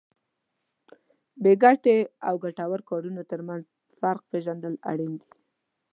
بې ګټې او ګټورو کارونو ترمنځ فرق پېژندل اړین دي.